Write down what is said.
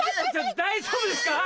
大丈夫ですか？